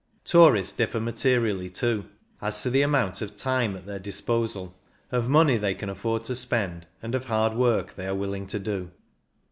Tourists differ materially, too, as to the amount of time at their disposal, of money they can afford to spend, and of hard work they are willing to do.